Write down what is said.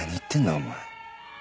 お前。